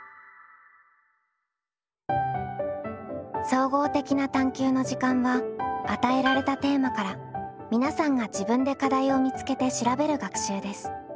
「総合的な探究の時間」は与えられたテーマから皆さんが自分で課題を見つけて調べる学習です。